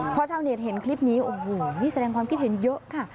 พอชาวเน็ตเห็นคลิปนี้โอ้โหนี่แสดงความคิดเห็นเยอะค่ะ